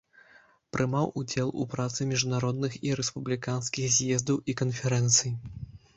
Прымаў удзел у працы міжнародных і рэспубліканскіх з'ездаў і канферэнцый.